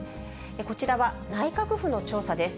こちらは、内閣府の調査です。